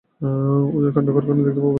ওদের কাণ্ডকারখানা দেখতে পাব, তাই বলছেন?